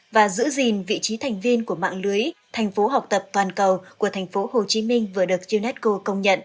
và giữ gìn vị trí thành tựu